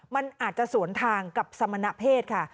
มันอาจจะสวนทางกับสมณเพศค่ะ